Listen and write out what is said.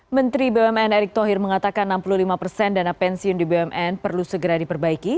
menteri bumn erick thohir mengatakan enam puluh lima dana pensiun di bumn perlu segera diperbaiki